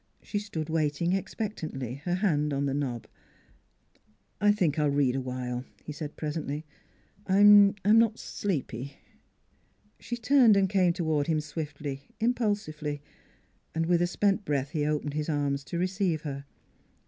She stood waiting expectantly, her hand on the knob. " I think I'll read awhile," he said presently. " I'm not er sleepy." She turned and came toward him swiftly, im pulsively. With a spent breath he opened his arms to receive her.